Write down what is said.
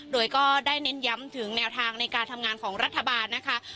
โดยก็ได้เน้นย้ำถึงแนวทางในการทำงานของรัฐบาลนะคะ